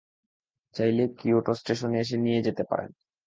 চাইলে কিয়োটো স্টেশনে এসে নিয়ে যেতে পারেন।